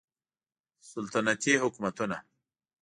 سلطنتي حکومتونه